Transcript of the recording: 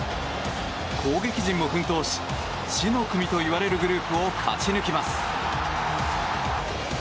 攻撃陣も奮闘し死の組といわれるグループを勝ち抜きます。